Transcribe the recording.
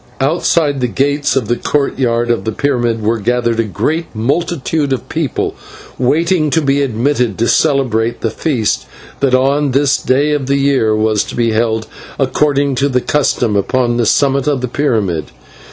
Outside the gates of the courtyard of the pyramid were gathered a great multitude of people waiting to be admitted to celebrate the feast that on this day of the year was to be held, according to the custom, upon the summit of the pyramid.